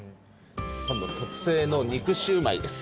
特製の肉シュウマイです。